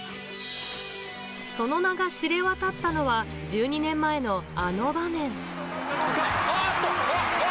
その名が知れ渡ったのは１２年前の、あの場面。